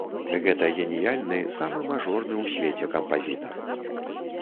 Гэта геніяльны, самы мажорны ў свеце кампазітар.